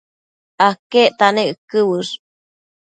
aquecta nec uëquë uësh?